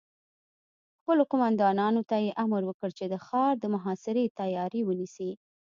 خپلو قوماندانانو ته يې امر وکړ چې د ښار د محاصرې تياری ونيسي.